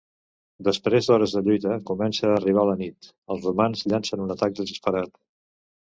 Després d'hores de lluita comença a arribar la nit, els romans llancen un atac desesperat.